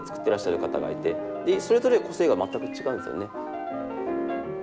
てらっしゃる方がいてそれぞれ個性が全く違うんですよね。